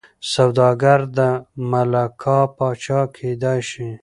سوداګر د ملاکا پاچا کېدای شي.